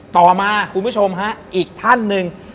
ต่อมาคุณผู้ชมฮะอีกท่านหนึ่ง